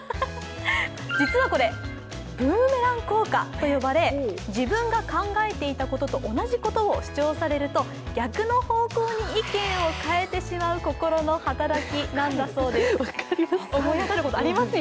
実はこれ、ブーメラン効果と呼ばれ、自分が考えていたことと同じことを主張されると逆の方向に意見を変えてしまう心の働きだそうです。